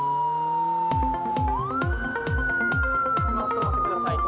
止まってください。